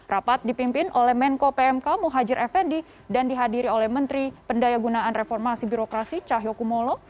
rapat dipimpin oleh menko pmk muhajir effendi dan dihadiri oleh menteri pendaya gunaan reformasi birokrasi cahyokumolo